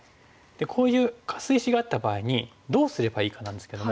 こういうカス石があった場合にどうすればいいかなんですけども。